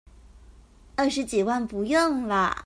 二十幾萬不用了